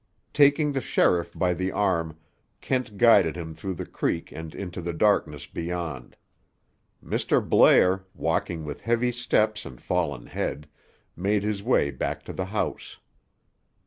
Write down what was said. Taking the sheriff by the arm, Kent guided him through the creek and into the darkness beyond. Mr. Blair, walking with heavy steps and fallen head, made his way back to the house.